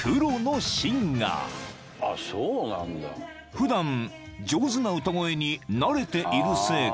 ［普段上手な歌声に慣れているせいか］